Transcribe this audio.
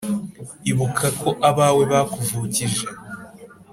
Ibuka ko abawe bakuvukije